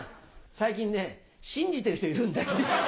最近ね信じてる人いるんだよ。